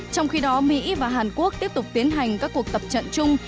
trong khi đó mỹ và hàn quốc tiếp tục tiến hành các cuộc tập trận chung